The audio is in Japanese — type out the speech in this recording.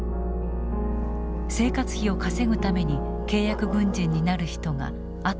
生活費を稼ぐために契約軍人になる人が後を絶たない。